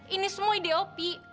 ini semua ide opi